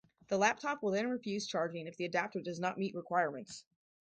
The laptop will then refuse charging if the adapter does not meet requirements.